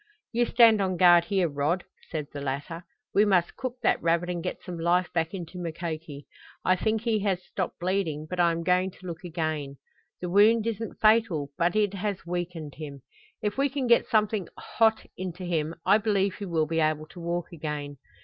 "You stand on guard here, Rod," said the latter. "We must cook that rabbit and get some life back into Mukoki. I think he has stopped bleeding, but I am going to look again. The wound isn't fatal, but it has weakened him. If we can get something hot into him I believe he will be able to walk again.